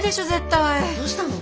どうしたの？